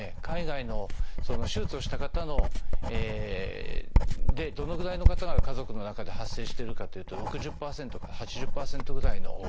海外の手術をした方でどのぐらいの方が家族の中で発生してるかというと６０％から８０％ぐらいの。